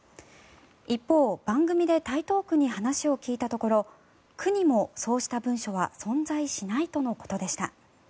一方、番組で台東区に話を聞いたところ区にもそうした文書は存在しないとのことでした。